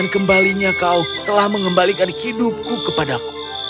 kembalinya kau telah mengembalikan hidupku kepadaku